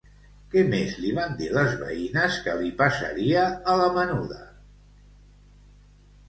Què més li van dir les veïnes que li passaria, a la menuda?